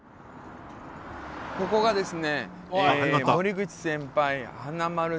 ここがですね